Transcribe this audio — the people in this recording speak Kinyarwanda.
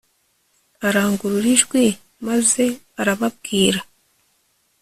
arangurura ijwi maze arababwira